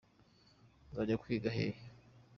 uzajya kwiga hehe?